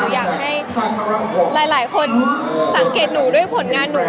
อยากให้หลายคนสังเกตหนูด้วยผลงานหนู